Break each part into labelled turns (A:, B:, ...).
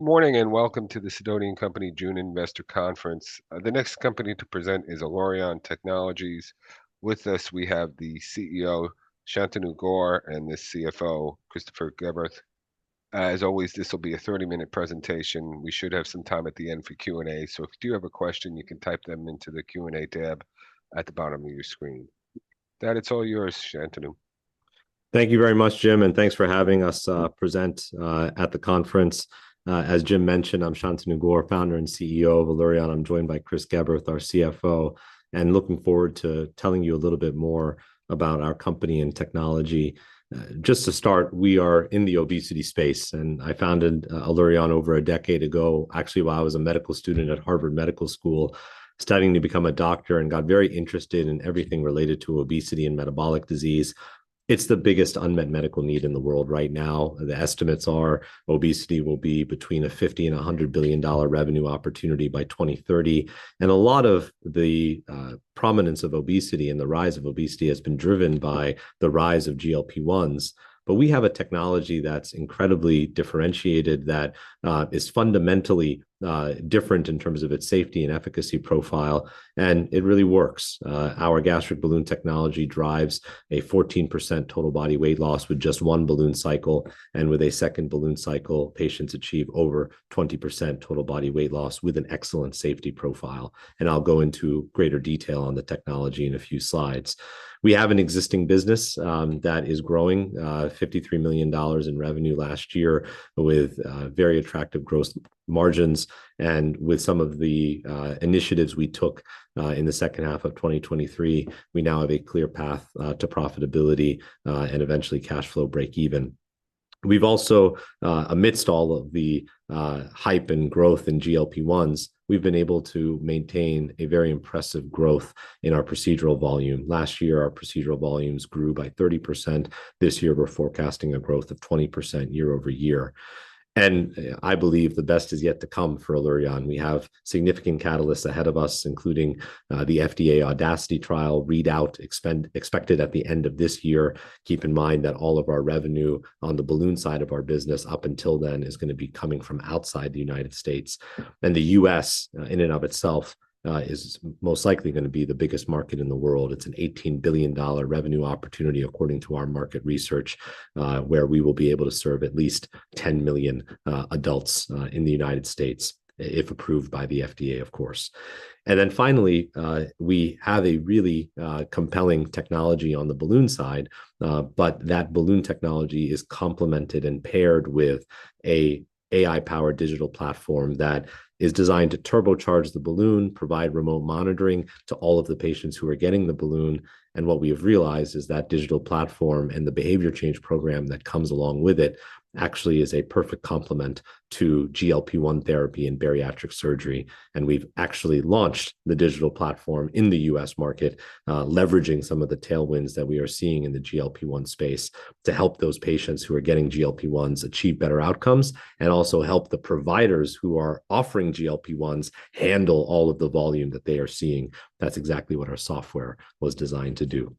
A: Morning, and welcome to the Sidoti & Company June Investor Conference. The next company to present is Allurion Technologies. With us, we have the CEO, Shantanu Gaur, and the CFO, Christopher Geberth. As always, this will be a 30-minute presentation. We should have some time at the end for Q&A, so if you do have a question, you can type them into the Q&A tab at the bottom of your screen. And, it's all yours, Shantanu.
B: Thank you very much, Jim, and thanks for having us present at the conference. As Jim mentioned, I'm Shantanu Gaur, Founder and CEO of Allurion. I'm joined by Chris Geberth, our CFO, and looking forward to telling you a little bit more about our company and technology. Just to start, we are in the obesity space, and I founded Allurion over a decade ago, actually, while I was a medical student at Harvard Medical School, studying to become a doctor, and got very interested in everything related to obesity and metabolic disease. It's the biggest unmet medical need in the world right now. The estimates are obesity will be between a $50 billion and a $100 billion revenue opportunity by 2030. A lot of the prominence of obesity and the rise of obesity has been driven by the rise of GLP-1s. But we have a technology that's incredibly differentiated, that is fundamentally different in terms of its safety and efficacy profile, and it really works. Our gastric balloon technology drives a 14% total body weight loss with just one balloon cycle, and with a second balloon cycle, patients achieve over 20% total body weight loss with an excellent safety profile. And I'll go into greater detail on the technology in a few slides. We have an existing business that is growing $53 million in revenue last year, with very attractive gross margins. And with some of the initiatives we took in the second half of 2023, we now have a clear path to profitability and eventually cash flow break even. We've also, amidst all of the hype and growth in GLP-1s, we've been able to maintain a very impressive growth in our procedural volume. Last year, our procedural volumes grew by 30%. This year, we're forecasting a growth of 20% year-over-year, and I believe the best is yet to come for Allurion. We have significant catalysts ahead of us, including the FDA AUDACITY trial readout expected at the end of this year. Keep in mind that all of our revenue on the balloon side of our business, up until then, is gonna be coming from outside the United States. The U.S., in and of itself, is most likely gonna be the biggest market in the world. It's an $18 billion revenue opportunity, according to our market research, where we will be able to serve at least 10 million adults in the United States, if approved by the FDA, of course. Then finally, we have a really compelling technology on the balloon side, but that balloon technology is complemented and paired with an AI-powered digital platform that is designed to turbocharge the balloon, provide remote monitoring to all of the patients who are getting the balloon. What we have realized is that digital platform and the behavior change program that comes along with it actually is a perfect complement to GLP-1 therapy and bariatric surgery. We've actually launched the digital platform in the U.S. market, leveraging some of the tailwinds that we are seeing in the GLP-1 space to help those patients who are getting GLP-1s achieve better outcomes, and also help the providers who are offering GLP-1s handle all of the volume that they are seeing. That's exactly what our software was designed to do.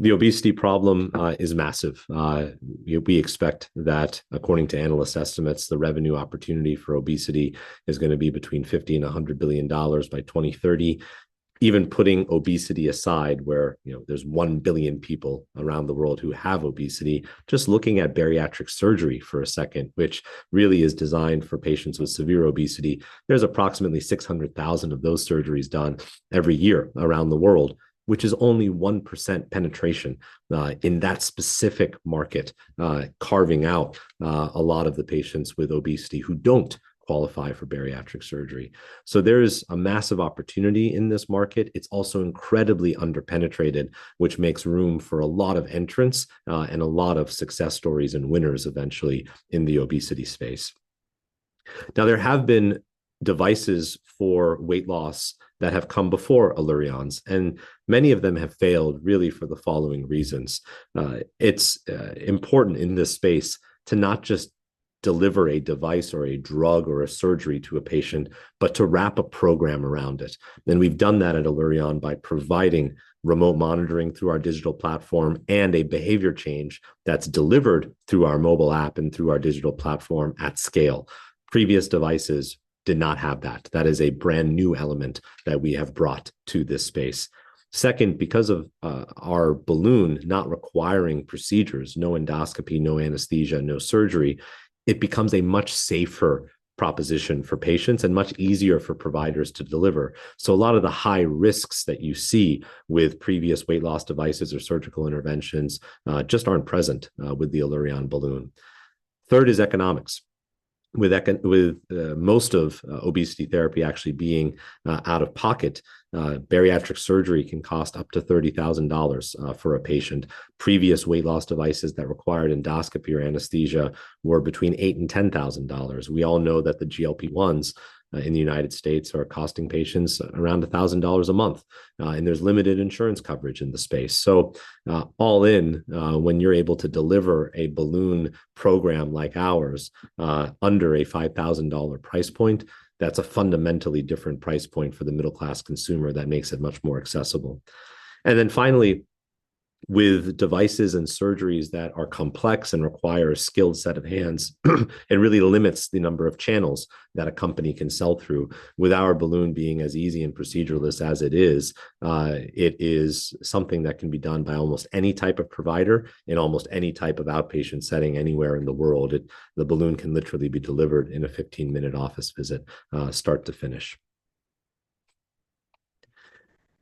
B: The obesity problem is massive. We expect that according to analyst estimates, the revenue opportunity for obesity is gonna be between $50 billion and $100 billion by 2030. Even putting obesity aside, where, you know, there's one billion people around the world who have obesity, just looking at bariatric surgery for a second, which really is designed for patients with severe obesity, there's approximately 600,000 of those surgeries done every year around the world, which is only 1% penetration in that specific market, carving out a lot of the patients with obesity who don't qualify for bariatric surgery. So there is a massive opportunity in this market. It's also incredibly underpenetrated, which makes room for a lot of entrants and a lot of success stories and winners eventually in the obesity space. Now, there have been devices for weight loss that have come before Allurion's, and many of them have failed really for the following reasons. It's important in this space to not just deliver a device or a drug, or a surgery to a patient, but to wrap a program around it. And we've done that at Allurion by providing remote monitoring through our digital platform and a behavior change that's delivered through our mobile app and through our digital platform at scale. Previous devices did not have that. That is a brand-new element that we have brought to this space. Second, because of our balloon not requiring procedures, no endoscopy, no anesthesia, no surgery, it becomes a much safer proposition for patients and much easier for providers to deliver. So a lot of the high risks that you see with previous weight loss devices or surgical interventions just aren't present with the Allurion balloon. Third is economics. With most of obesity therapy actually being out of pocket, bariatric surgery can cost up to $30,000 for a patient. Previous weight loss devices that required endoscopy or anesthesia were between $8,000-$10,000. We all know that the GLP-1s in the United States are costing patients around $1,000 a month, and there's limited insurance coverage in the space. So, all in, when you're able to deliver a balloon program like ours under a $5,000 price point, that's a fundamentally different price point for the middle-class consumer that makes it much more accessible. And then finally, with devices and surgeries that are complex and require a skilled set of hands, it really limits the number of channels that a company can sell through. With our balloon being as easy and procedureless as it is, it is something that can be done by almost any type of provider in almost any type of outpatient setting anywhere in the world. The balloon can literally be delivered in a 15-minute office visit, start to finish.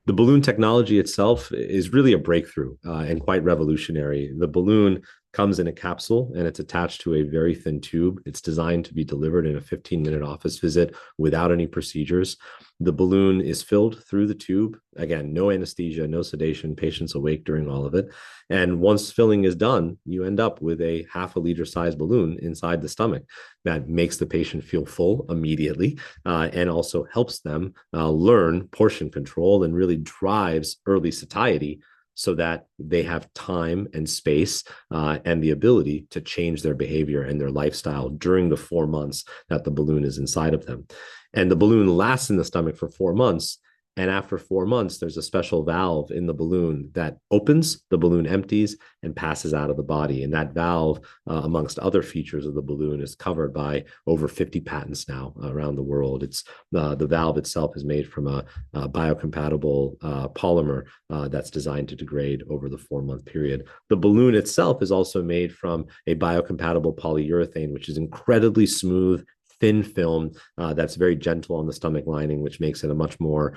B: The balloon technology itself is really a breakthrough, and quite revolutionary. The balloon comes in a capsule, and it's attached to a very thin tube. It's designed to be delivered in a 15-minute office visit without any procedures. The balloon is filled through the tube. Again, no anesthesia, no sedation. Patient's awake during all of it. Once filling is done, you end up with a 0.5-liter-sized balloon inside the stomach that makes the patient feel full immediately, and also helps them learn portion control and really drives early satiety so that they have time and space, and the ability to change their behavior and their lifestyle during the four months that the balloon is inside of them. The balloon lasts in the stomach for four months, and after four months, there's a special valve in the balloon that opens, the balloon empties, and passes out of the body. That valve, among other features of the balloon, is covered by over 50 patents now around the world. It's the valve itself is made from a biocompatible polymer that's designed to degrade over the four-month period. The balloon itself is also made from a biocompatible polyurethane, which is incredibly smooth, thin film that's very gentle on the stomach lining, which makes it a much more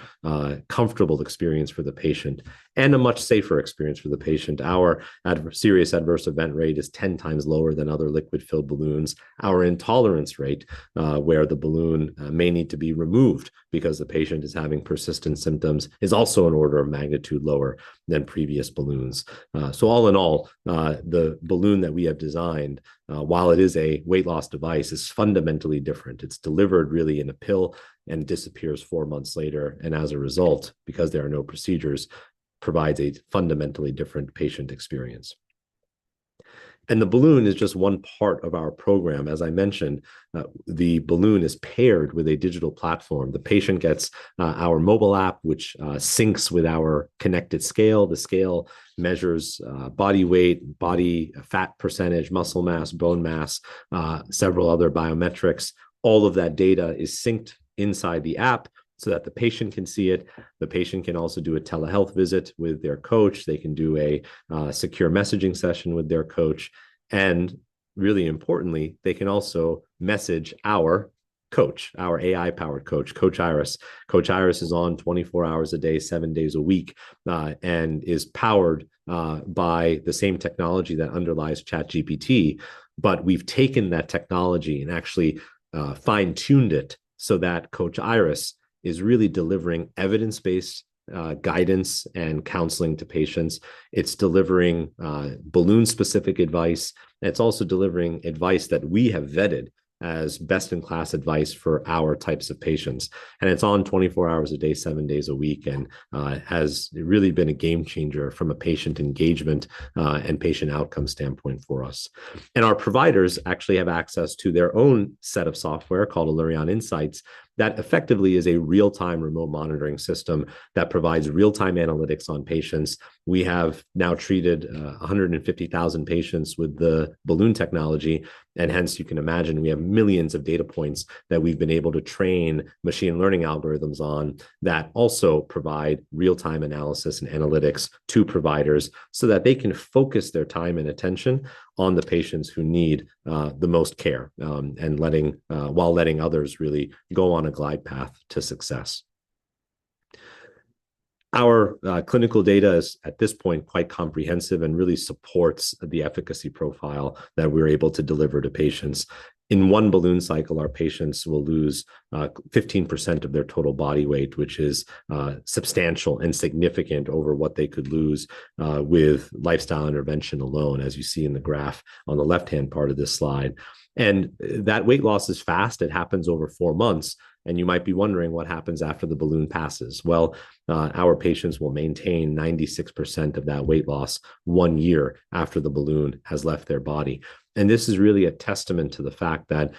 B: comfortable experience for the patient and a much safer experience for the patient. Our serious adverse event rate is 10 times lower than other liquid-filled balloons. Our intolerance rate, where the balloon may need to be removed because the patient is having persistent symptoms, is also an order of magnitude lower than previous balloons. So all in all, the balloon that we have designed while it is a weight loss device, is fundamentally different. It's delivered really in a pill and disappears four months later, and as a result, because there are no procedures, provides a fundamentally different patient experience. And the balloon is just one part of our program. As I mentioned, the balloon is paired with a digital platform. The patient gets our mobile app, which syncs with our connected scale. The scale measures body weight, body fat percentage, muscle mass, bone mass, several other biometrics. All of that data is synced inside the app so that the patient can see it. The patient can also do a telehealth visit with their coach. They can do a secure messaging session with their coach, and really importantly, they can also message our coach, our AI-powered coach, Coach Iris. Coach Iris is on 24 hours a day, seven days a week, and is powered by the same technology that underlies ChatGPT. But we've taken that technology and actually fine-tuned it so that Coach Iris is really delivering evidence-based guidance and counseling to patients. It's delivering, balloon-specific advice, and it's also delivering advice that we have vetted as best-in-class advice for our types of patients. And it's on 24 hours a day, seven days a week, and, has really been a game changer from a patient engagement, and patient outcome standpoint for us. And our providers actually have access to their own set of software called Allurion Insights, that effectively is a real-time remote monitoring system that provides real-time analytics on patients. We have now treated 150,000 patients with the balloon technology, and hence, you can imagine, we have millions of data points that we've been able to train machine learning algorithms on, that also provide real-time analysis and analytics to providers so that they can focus their time and attention on the patients who need the most care, and while letting others really go on a glide path to success. Our clinical data is, at this point, quite comprehensive and really supports the efficacy profile that we're able to deliver to patients. In one balloon cycle, our patients will lose 15% of their total body weight, which is substantial and significant over what they could lose with lifestyle intervention alone, as you see in the graph on the left-hand part of this slide. That weight loss is fast. It happens over four months, and you might be wondering what happens after the balloon passes. Well, our patients will maintain 96% of that weight loss one year after the balloon has left their body. This is really a testament to the fact that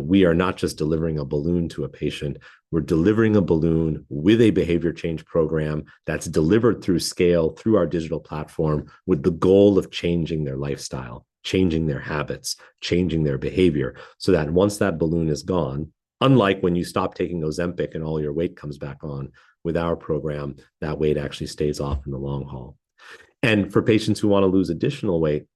B: we are not just delivering a balloon to a patient, we're delivering a balloon with a behavior change program that's delivered through scale, through our digital platform, with the goal of changing their lifestyle, changing their habits, changing their behavior, so that once that balloon is gone, unlike when you stop taking Ozempic and all your weight comes back on, with our program, that weight actually stays off in the long haul. For patients who want to lose additional weight,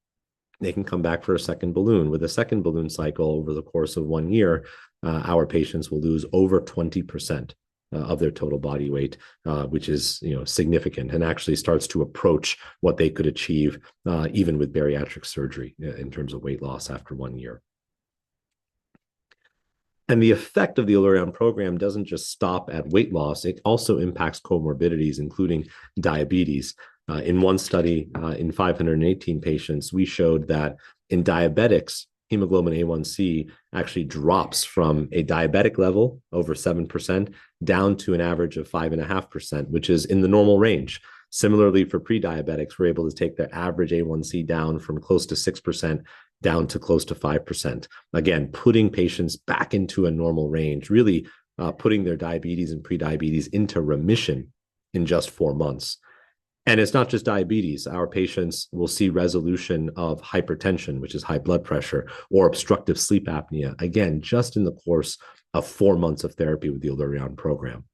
B: they can come back for a second balloon. With a second balloon cycle, over the course of one year, our patients will lose over 20% of their total body weight, which is, you know, significant and actually starts to approach what they could achieve, even with bariatric surgery, in terms of weight loss after one year. And the effect of the Allurion program doesn't just stop at weight loss. It also impacts comorbidities, including diabetes. In one study, in 518 patients, we showed that in diabetics, Hemoglobin A1C actually drops from a diabetic level, over 7%, down to an average of 5.5%, which is in the normal range. Similarly, for pre-diabetics, we're able to take their average A1C down from close to 6%, down to close to 5%, again, putting patients back into a normal range, really, putting their diabetes and pre-diabetes into remission in just four months. And it's not just diabetes. Our patients will see resolution of hypertension, which is high blood pressure, or obstructive sleep apnea, again, just in the course of four months of therapy with the Allurion program.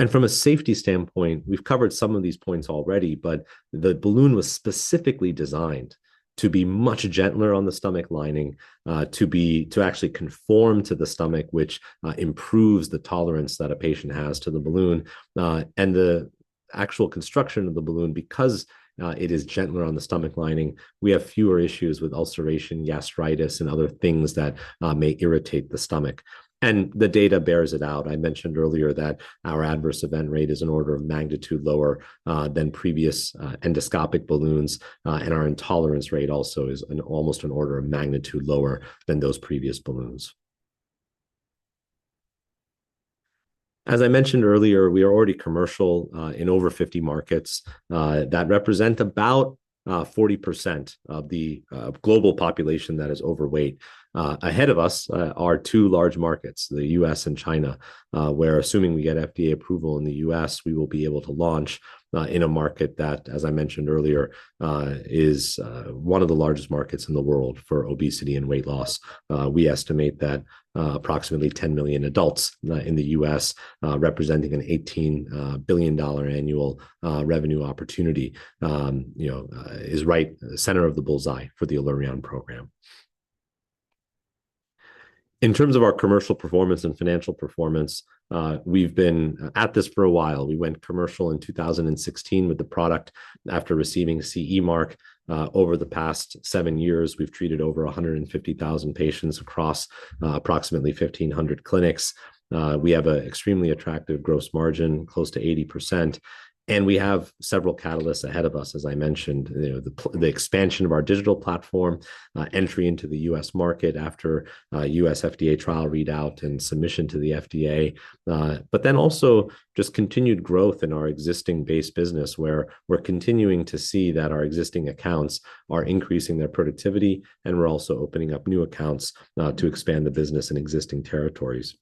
B: And from a safety standpoint, we've covered some of these points already, but the balloon was specifically designed to be much gentler on the stomach lining, to actually conform to the stomach, which improves the tolerance that a patient has to the balloon. And the actual construction of the balloon, because it is gentler on the stomach lining, we have fewer issues with ulceration, gastritis, and other things that may irritate the stomach. And the data bears it out. I mentioned earlier that our adverse event rate is an order of magnitude lower than previous endoscopic balloons, and our intolerance rate also is an almost an order of magnitude lower than those previous balloons. As I mentioned earlier, we are already commercial in over 50 markets that represent about 40% of the global population that is overweight. Ahead of us are two large markets, the U.S. and China, where assuming we get FDA approval in the U.S., we will be able to launch in a market that, as I mentioned earlier, is one of the largest markets in the world for obesity and weight loss. We estimate that approximately 10 million adults in the U.S. representing an $18 billion annual revenue opportunity, you know, is right center of the bullseye for the Allurion program. In terms of our commercial performance and financial performance, we've been at this for a while. We went commercial in 2016 with the product after receiving CE mark. Over the past seven years, we've treated over 150,000 patients across approximately 1,500 clinics. We have an extremely attractive gross margin, close to 80%, and we have several catalysts ahead of us. As I mentioned, you know, the expansion of our digital platform, entry into the U.S. market after U.S. FDA trial readout and submission to the FDA. But then also just continued growth in our existing base business, where we're continuing to see that our existing accounts are increasing their productivity, and we're also opening up new accounts to expand the business in existing territories.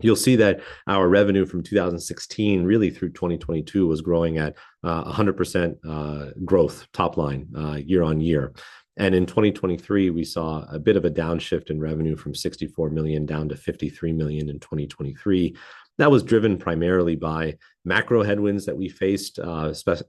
B: You'll see that our revenue from 2016, really through 2022, was growing at a 100% growth top line year-on-year. And in 2023, we saw a bit of a downshift in revenue from $64 million down to $53 million in 2023. That was driven primarily by macro headwinds that we faced,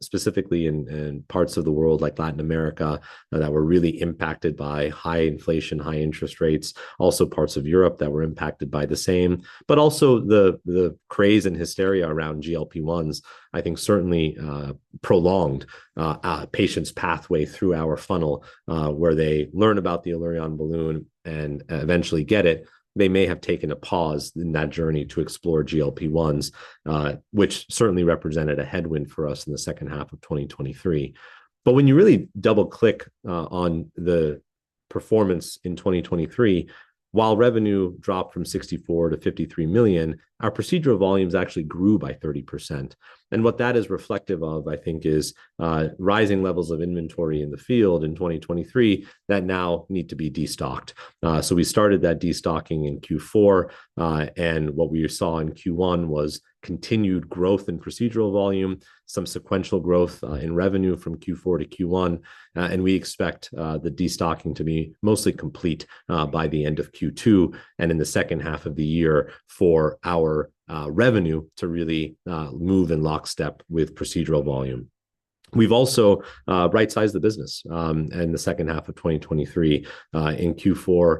B: specifically in parts of the world like Latin America, that were really impacted by high inflation, high interest rates, also parts of Europe that were impacted by the same. But also the craze and hysteria around GLP-1s, I think certainly prolonged a patient's pathway through our funnel, where they learn about the Allurion balloon and eventually get it. They may have taken a pause in that journey to explore GLP-1s, which certainly represented a headwind for us in the second half of 2023. But when you really double-click on the performance in 2023, while revenue dropped from $64 million to $53 million, our procedural volumes actually grew by 30%. And what that is reflective of, I think, is rising levels of inventory in the field in 2023 that now need to be destocked. So we started that destocking in Q4, and what we saw in Q1 was continued growth in procedural volume, some sequential growth in revenue from Q4 to Q1. And we expect the destocking to be mostly complete by the end of Q2, and in the second half of the year for our revenue to really move in lockstep with procedural volume. We've also right-sized the business in the second half of 2023. In Q4,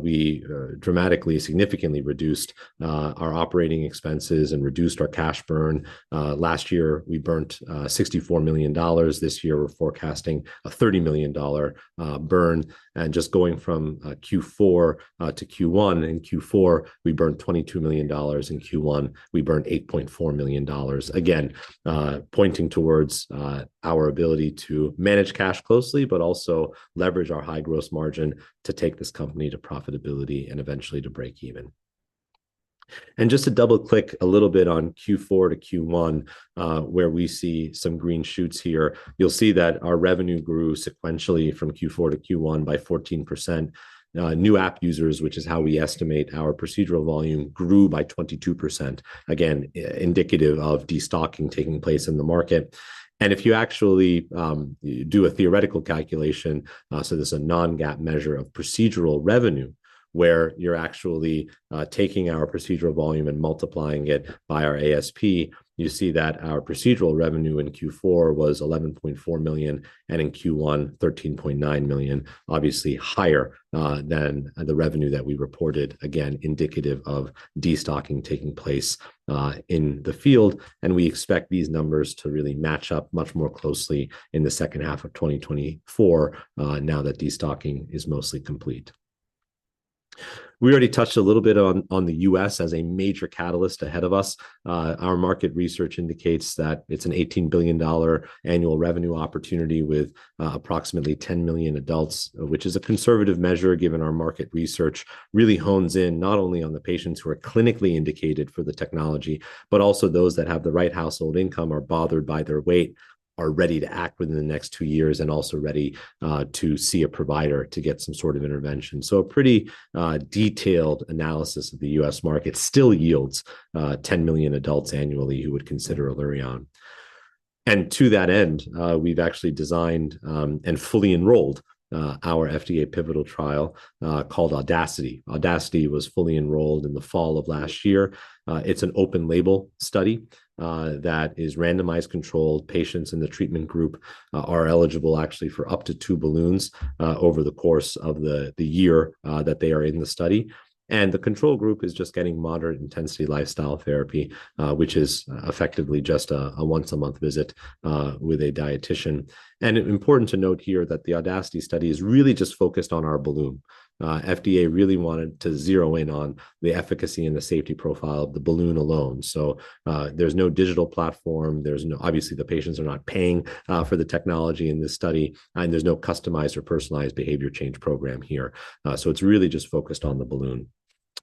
B: we dramatically, significantly reduced our operating expenses and reduced our cash burn. Last year, we burned $64 million. This year, we're forecasting a $30 million burn. And just going from Q4 to Q1, in Q4, we burnt $22 million, in Q1, we burnt $8.4 million. Again, pointing towards our ability to manage cash closely, but also leverage our high gross margin to take this company to profitability and eventually to break even. And just to double-click a little bit on Q4 to Q1, where we see some green shoots here. You'll see that our revenue grew sequentially from Q4 to Q1 by 14%. New app users, which is how we estimate our procedural volume, grew by 22%. Again, indicative of destocking taking place in the market. If you actually do a theoretical calculation, so this is a non-GAAP measure of procedural revenue, where you're actually taking our procedural volume and multiplying it by our ASP, you see that our procedural revenue in Q4 was $11.4 million, and in Q1, $13.9 million. Obviously, higher than the revenue that we reported, again, indicative of destocking taking place in the field. And we expect these numbers to really match up much more closely in the second half of 2024, now that destocking is mostly complete. We already touched a little bit on the U.S. as a major catalyst ahead of us. Our market research indicates that it's an $18 billion annual revenue opportunity with approximately 10 million adults, which is a conservative measure, given our market research really hones in not only on the patients who are clinically indicated for the technology, but also those that have the right household income, are bothered by their weight, are ready to act within the next two years, and also ready to see a provider to get some sort of intervention. So a pretty detailed analysis of the U.S. market still yields 10 million adults annually who would consider Allurion. And to that end, we've actually designed and fully enrolled our FDA pivotal trial called AUDACITY. AUDACITY was fully enrolled in the fall of last year. It's an open-label study that is randomized, controlled. Patients in the treatment group are eligible actually for up to two balloons over the course of the year that they are in the study, and the control group is just getting moderate intensity lifestyle therapy, which is effectively just a once-a-month visit with a dietician. Important to note here that the AUDACITY study is really just focused on our balloon. FDA really wanted to zero in on the efficacy and the safety profile of the balloon alone, so there's no digital platform, there's no, obviously, the patients are not paying for the technology in this study, and there's no customized or personalized behavior change program here. So it's really just focused on the balloon.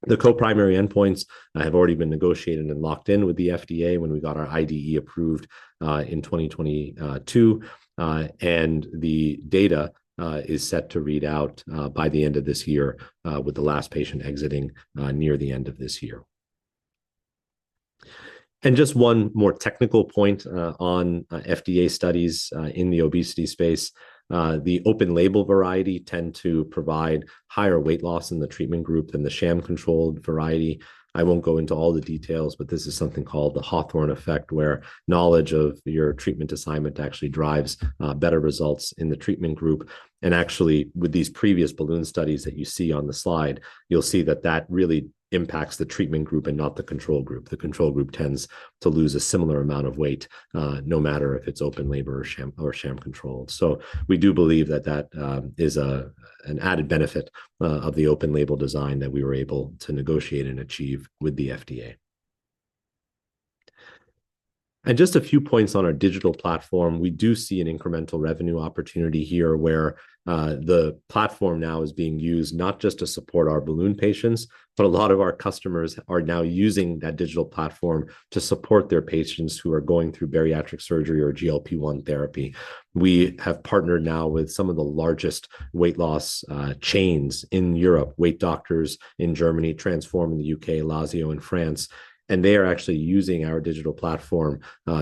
B: The co-primary endpoints have already been negotiated and locked in with the FDA when we got our IDE approved in 2022, and the data is set to read out by the end of this year with the last patient exiting near the end of this year. Just one more technical point on FDA studies in the obesity space. The open-label variety tend to provide higher weight loss in the treatment group than the sham controlled variety. I won't go into all the details, but this is something called the Hawthorne effect, where knowledge of your treatment assignment actually drives better results in the treatment group. And actually, with these previous balloon studies that you see on the slide, you'll see that that really impacts the treatment group and not the control group. The control group tends to lose a similar amount of weight, no matter if it's open label or sham, or sham controlled. So we do believe that that is an added benefit of the open label design that we were able to negotiate and achieve with the FDA. And just a few points on our digital platform. We do see an incremental revenue opportunity here, where the platform now is being used not just to support our balloon patients, but a lot of our customers are now using that digital platform to support their patients who are going through bariatric surgery or GLP-1 therapy. We have partnered now with some of the largest weight loss chains in Europe, Weight Doctors in Germany, Transform in the UK, Lazeo in France, and they are actually using our digital platform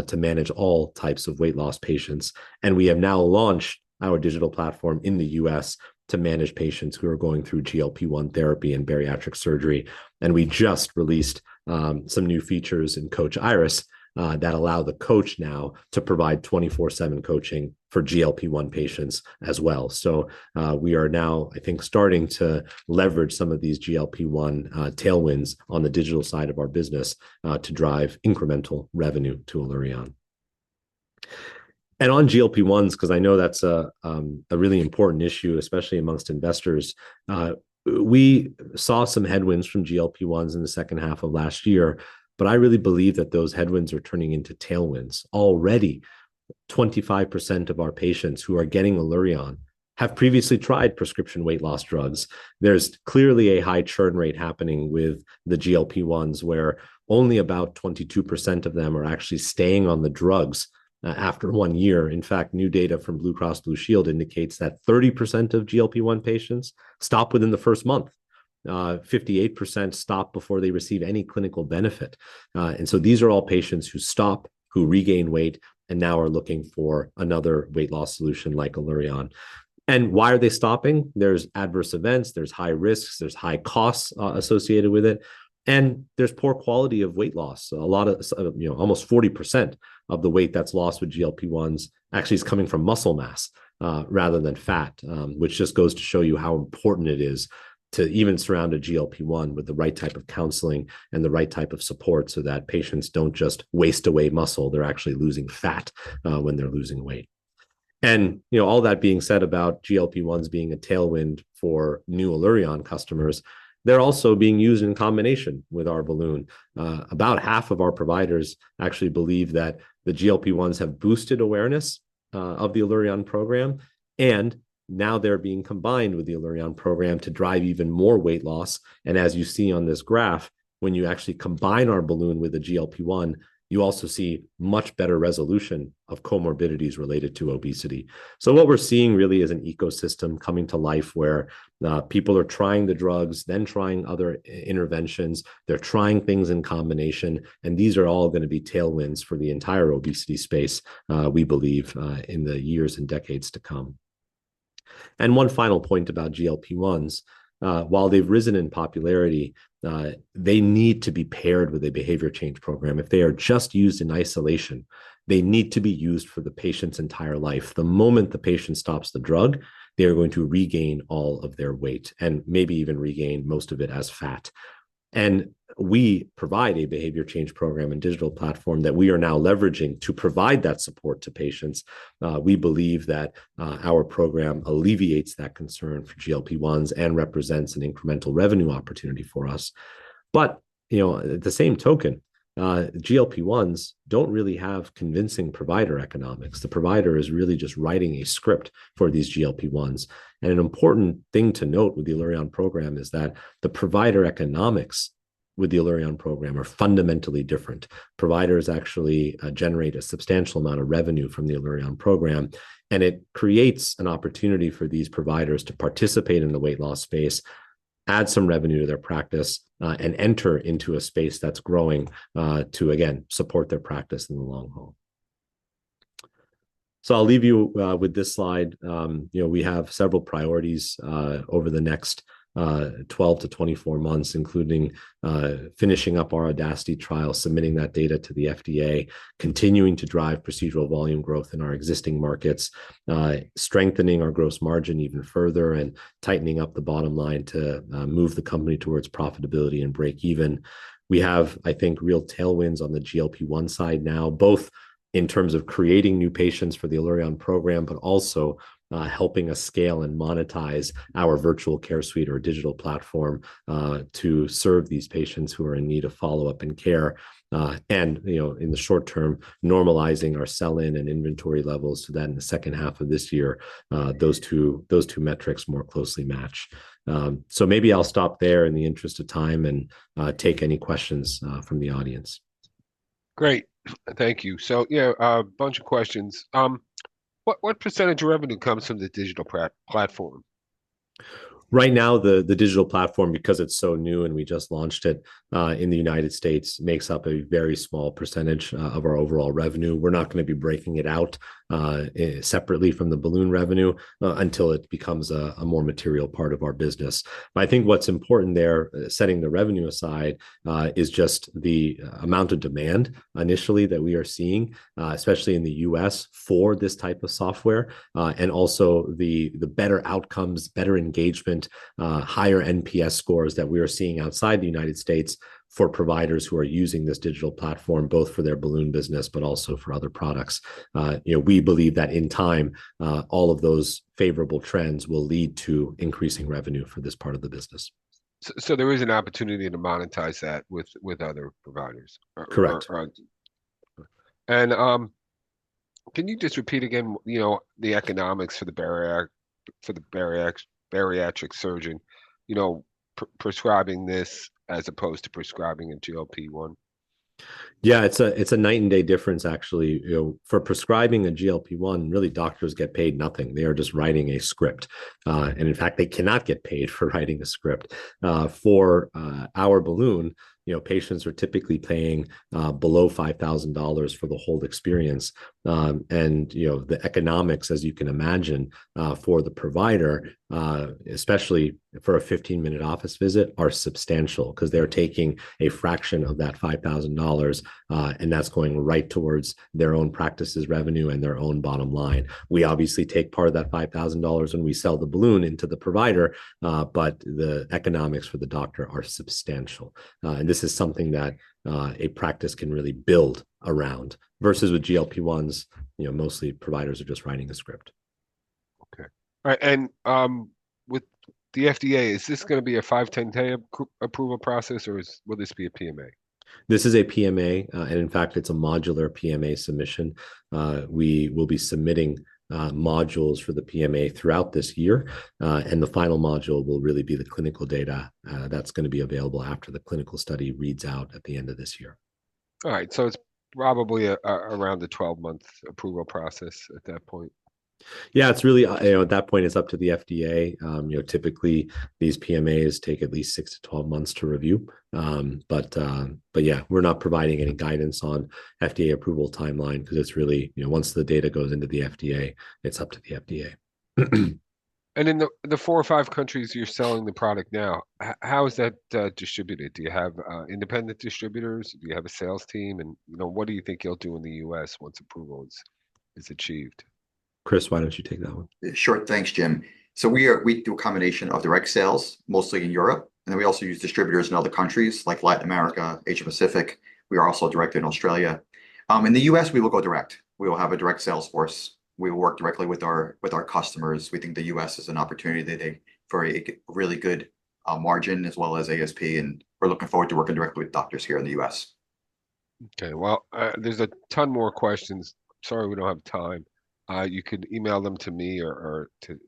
B: to manage all types of weight loss patients. And we have now launched our digital platform in the US to manage patients who are going through GLP-1 therapy and bariatric surgery. And we just released some new features in Coach Iris that allow the coach now to provide 24/7 coaching for GLP-1 patients as well. So, we are now, I think, starting to leverage some of these GLP-1 tailwinds on the digital side of our business to drive incremental revenue to Allurion. And on GLP-1s, 'cause I know that's a really important issue, especially amongst investors. We saw some headwinds from GLP-1s in the second half of last year, but I really believe that those headwinds are turning into tailwinds. Already, 25% of our patients who are getting Allurion have previously tried prescription weight loss drugs. There's clearly a high churn rate happening with the GLP-1s, where only about 22% of them are actually staying on the drugs after one year. In fact, new data from Blue Cross Blue Shield indicates that 30% of GLP-1 patients stop within the first month. 58% stop before they receive any clinical benefit. And so these are all patients who stop, who regain weight, and now are looking for another weight loss solution like Allurion. And why are they stopping? There's adverse events, there's high risks, there's high costs associated with it, and there's poor quality of weight loss. A lot of, you know, almost 40% of the weight that's lost with GLP-1s actually is coming from muscle mass, rather than fat. Which just goes to show you how important it is to even surround a GLP-1 with the right type of counseling and the right type of support, so that patients don't just waste away muscle, they're actually losing fat, when they're losing weight. And, you know, all that being said about GLP-1s being a tailwind for new Allurion customers, they're also being used in combination with our balloon. About half of our providers actually believe that the GLP-1s have boosted awareness, of the Allurion program, and now they're being combined with the Allurion program to drive even more weight loss. And as you see on this graph, when you actually combine our balloon with a GLP-1, you also see much better resolution of comorbidities related to obesity. So what we're seeing really is an ecosystem coming to life, where, people are trying the drugs, then trying other interventions. They're trying things in combination, and these are all gonna be tailwinds for the entire obesity space, we believe, in the years and decades to come. And one final point about GLP-1s. While they've risen in popularity, they need to be paired with a behavior change program. If they are just used in isolation, they need to be used for the patient's entire life. The moment the patient stops the drug, they are going to regain all of their weight and maybe even regain most of it as fat. We provide a behavior change program and digital platform that we are now leveraging to provide that support to patients. We believe that our program alleviates that concern for GLP-1s and represents an incremental revenue opportunity for us. You know, at the same token, GLP-1s don't really have convincing provider economics. The provider is really just writing a script for these GLP-1s. An important thing to note with the Allurion program is that the provider economics with the Allurion program are fundamentally different. Providers actually generate a substantial amount of revenue from the Allurion program, and it creates an opportunity for these providers to participate in the weight loss space, add some revenue to their practice, and enter into a space that's growing to again support their practice in the long haul. I'll leave you with this slide. You know, we have several priorities over the next 12-24 months, including finishing up our AUDACITY trial, submitting that data to the FDA, continuing to drive procedural volume growth in our existing markets, strengthening our gross margin even further, and tightening up the bottom line to move the company towards profitability and break even. We have, I think, real tailwinds on the GLP-1 side now, both in terms of creating new patients for the Allurion program, but also helping us scale and monetize our virtual care suite or digital platform to serve these patients who are in need of follow-up and care. And, you know, in the short term, normalizing our sell-in and inventory levels, so then in the second half of this year, those two, those two metrics more closely match. Maybe I'll stop there in the interest of time and take any questions from the audience.
A: Great. Thank you. So, yeah, a bunch of questions. What, what percentage of revenue comes from the digital platform?
B: Right now, the digital platform, because it's so new and we just launched it in the United States, makes up a very small percentage of our overall revenue. We're not gonna be breaking it out separately from the balloon revenue until it becomes a more material part of our business. But I think what's important there, setting the revenue aside, is just the amount of demand initially that we are seeing, especially in the US, for this type of software, and also the better outcomes, better engagement, higher NPS scores that we are seeing outside the United States for providers who are using this digital platform, both for their balloon business, but also for other products. You know, we believe that in time, all of those favorable trends will lead to increasing revenue for this part of the business.
A: So there is an opportunity to monetize that with other providers?
B: Correct.
A: Can you just repeat again, you know, the economics for the bariatric surgeon, you know, prescribing this as opposed to prescribing a GLP-1?
B: Yeah, it's a, it's a night and day difference actually. You know, for prescribing a GLP-1, really, doctors get paid nothing. They are just writing a script. And in fact, they cannot get paid for writing a script. For our balloon, you know, patients are typically paying below $5,000 for the whole experience. And, you know, the economics, as you can imagine, for the provider, especially for a 15-minute office visit, are substantial, 'cause they're taking a fraction of that $5,000, and that's going right towards their own practice's revenue and their own bottom line. We obviously take part of that $5,000 when we sell the balloon into the provider, but the economics for the doctor are substantial. This is something that a practice can really build around, versus with GLP-1s, you know, mostly providers are just writing a script.
A: Okay. All right, and with the FDA, is this gonna be a 510(k) approval process, or will this be a PMA?
B: This is a PMA, and in fact, it's a modular PMA submission. We will be submitting modules for the PMA throughout this year, and the final module will really be the clinical data. That's gonna be available after the clinical study reads out at the end of this year.
A: All right, so it's probably around the 12-month approval process at that point?
B: Yeah, it's really... you know, at that point, it's up to the FDA. You know, typically, these PMAs take at least 6-12 months to review. But, but yeah, we're not providing any guidance on FDA approval timeline, 'cause it's really, you know, once the data goes into the FDA, it's up to the FDA.
A: In the four or five countries you're selling the product now, how is that distributed? Do you have independent distributors? Do you have a sales team? And, you know, what do you think you'll do in the U.S. once approval is achieved?
B: Chris, why don't you take that one?
C: Sure. Thanks, Jim. So we do a combination of direct sales, mostly in Europe, and then we also use distributors in other countries, like Latin America, Asia Pacific. We are also direct in Australia. In the US, we will go direct. We will have a direct sales force. We will work directly with our customers. We think the US is an opportunity for a really good margin, as well as ASP, and we're looking forward to working directly with doctors here in the US.
A: Okay. Well, there's a ton more questions. Sorry, we don't have time. You can email them to me or to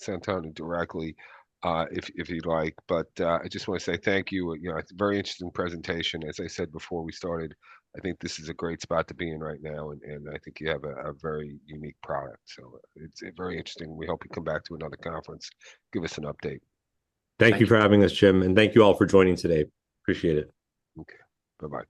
A: Shantanu Gaur directly, if you'd like. But, I just wanna say thank you. You know, it's a very interesting presentation. As I said before we started, I think this is a great spot to be in right now, and I think you have a very unique product. So it's very interesting. We hope you come back to another conference, give us an update.
B: Thank you for having us, Jim, and thank you all for joining today. Appreciate it.
A: Okay. Bye-bye.